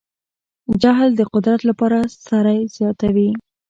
جهل د قدرت خپل سری زیاتوي.